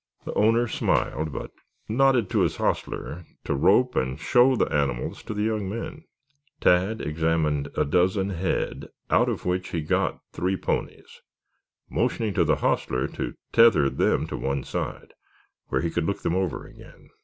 The owner smiled, but nodded to his hostler to rope and show the animals to the young men. Tad examined a dozen head, out of which he got three ponies, motioning to the hostler to tether them to one side where he could look them over again.